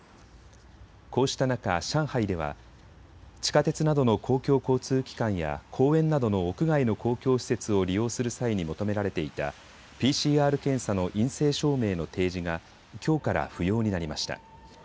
こうした中、上海では地下鉄などの公共交通機関や公園などの屋外の公共施設を利用する際に求められていたＰＣＲ検査の陰性証明の提示がきょうから不要になりました。